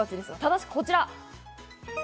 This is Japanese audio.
正しくはこちら。